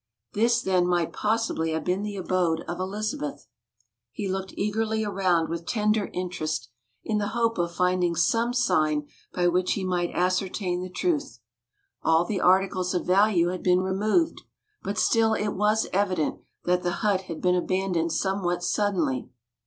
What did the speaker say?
This then might possibly have been the abode of Elizabeth. He looked eagerly around with tender interest, in the hope of finding some sign by which he might ascertain the truth. All the articles of value had been removed, but still it was evident that the hut had been abandoned somewhat suddenly.